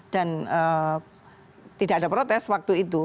dan tidak ada protes waktu itu